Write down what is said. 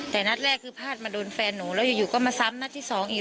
แต่นัดแรกคือพลาดมาโดนแฟนหนูแล้วอยู่ก็มาซ้ำนัดที่สองอีก